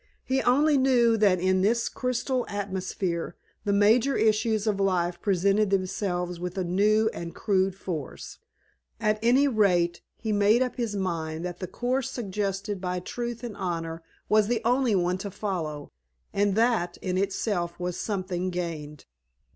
He only knew that in this crystal atmosphere the major issues of life presented themselves with a new and crude force. At any rate, he made up his mind that the course suggested by truth and honor was the only one to follow, and that, in itself, was something gained.